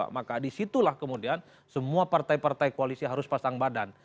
maka disitulah kemudian semua partai partai koalisi harus pasang badan